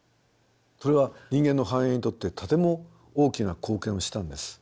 それは人間の繁栄にとってとても大きな貢献をしたんです。